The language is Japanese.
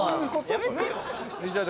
やめてよ。